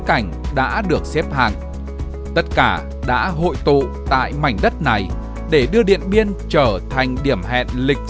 cảnh đã được xếp hàng tất cả đã hội tụ tại mảnh đất này để đưa điện biên trở thành điểm hẹn lịch